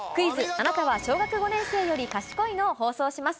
あなたは小学５年生より賢いの？を放送します。